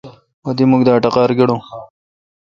مہ تی مکھ دا اٹقار گڑومہ۔